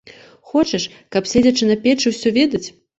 Хочаш, каб, седзячы на печы, усё ведаць.